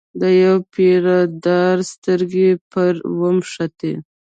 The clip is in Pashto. د یوه پیره دار سترګې پر وموښتې.